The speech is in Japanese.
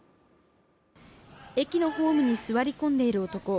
駅のホームに座り込んでいる男。